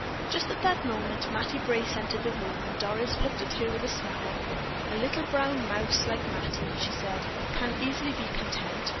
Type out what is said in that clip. Just at that moment Mattie Brace entered the room, and Doris looked at her with a smile. "A little brown mouse, like Mattie," she said, "can easily be content.